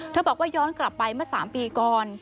บอกว่าย้อนกลับไปเมื่อ๓ปีก่อน